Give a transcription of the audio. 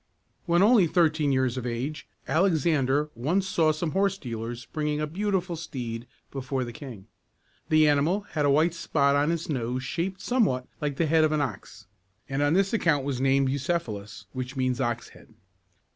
When only thirteen years of age, Alexander once saw some horsedealers bringing a beautiful steed before the king. The animal had a white spot on his nose shaped somewhat like the head of an ox, and on this account was named Bu ceph´a lus, which means "ox head."